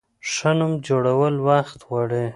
ښه نوم جوړول وخت غواړي.